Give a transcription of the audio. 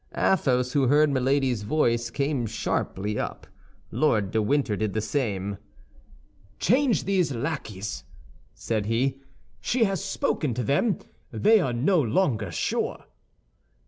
Athos, who heard Milady's voice, came sharply up. Lord de Winter did the same. "Change these lackeys," said he; "she has spoken to them. They are no longer sure."